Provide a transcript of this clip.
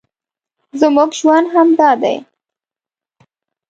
زموږ ژوند همدا دی